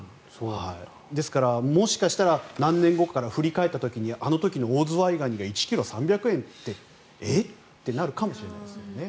ですから、もしかしたら何年後かに振り返った時あの時のオオズワイガニが１ｋｇ３００円ってえっ？ってなるかもしれないですね。